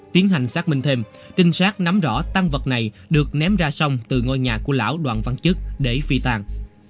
tiến hành xác minh thêm tinh sát nắm rõ tăng vật này được ném ra sông từ ngôi nhà của lão đoàn văn chức để phi tan